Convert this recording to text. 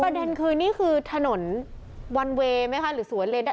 ประเด็นคือนี่คือถนนวันเวย์ไหมคะหรือสวนเลน